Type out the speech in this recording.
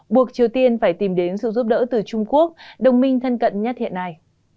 buộc triều tiên phải tìm đến sự giúp đỡ từ trung quốc đồng minh thân cận nhất hiện nay